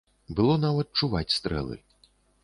Было нават чуваць стрэлы.